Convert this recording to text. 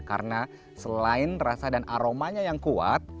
karena selain rasa dan aromanya yang kuat